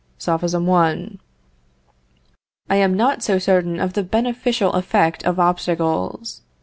(Sophism I.) "I am not so certain of the beneficial effect of obstacles."